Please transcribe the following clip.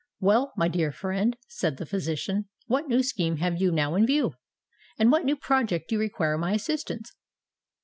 "Well, my dear friend," said the physician, "what new scheme have you now in view? in what new project do you require my assistance?"